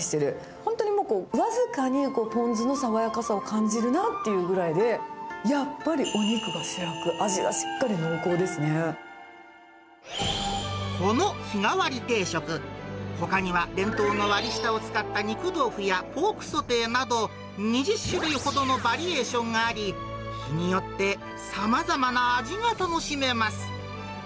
本当にもう、僅かにポン酢の爽やかさを感じるなっていうぐらいで、やっぱりお肉が主役、この日替わり定食、ほかには伝統の割り下を使った肉豆腐やポークソテーなど、２０種類ほどのバリエーションがあり、日によってさまざまな味が楽しめます。